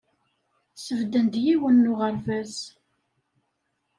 Sbedden-d yiwen n uɣerbaz.